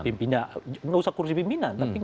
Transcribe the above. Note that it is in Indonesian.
tidak usah kursi pimpinan